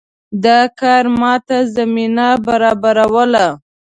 دا کار ماته زمینه برابروله.